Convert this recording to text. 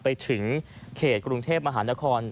ไปถึงเขตกรุงเทพมหานคร